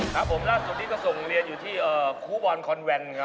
ครับผมล่าสุดนี้ก็ส่งเรียนอยู่ที่ครูบอลคอนแวนครับ